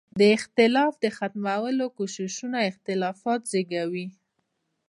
د اختلاف د ختمولو کوششونه اختلافات زېږوي.